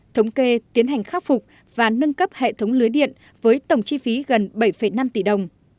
thống kê tiến hành khắc phục và nâng cấp hệ thống lưới điện với tổng chi phí gần bảy năm tỷ đồng